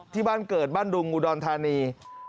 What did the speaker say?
ที่บ้านเกิดบ้านดุงอุดรธานี